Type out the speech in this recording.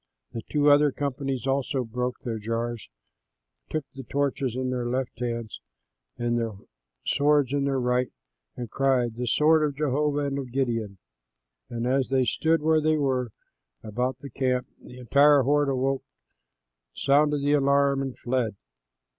The two other companies also broke their jars, took the torches in their left hands and their swords in their right, and cried, "The Sword of Jehovah and of Gideon." And as they stood where they were, about the camp, the entire horde awoke, sounded the alarm, and fled.